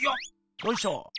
よいしょ！